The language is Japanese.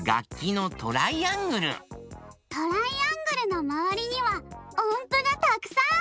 トライアングルのまわりにはおんぷがたくさん！